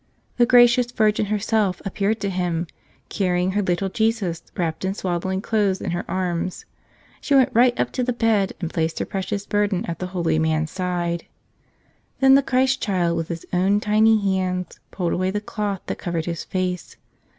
The gracious Virgin herself ap¬ peared to him, carrying her little Jesus, wrapped in swaddling clothes, in her arms. She went right up to the bed and placed her precious burden at the holy man's side. Then the Christ Child, with His own tiny hands, pulled away the cloth that covered His face.